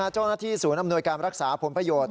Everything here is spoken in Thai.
เจ้าหน้าที่ศูนย์อำนวยการรักษาผลประโยชน์